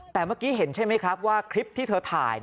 แต่เมื่อกี้เห็นใช่ไหมครับว่าคลิปที่เธอถ่าย